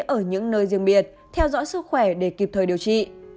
ở những nơi riêng biệt theo dõi sức khỏe để kịp thời điều trị